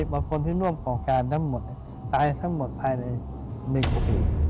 บางคนที่ร่วมโครงการทั้งหมดตายทั้งหมดภายใน๑ปี